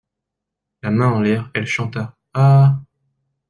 La main en l'air, elle chanta: Ah!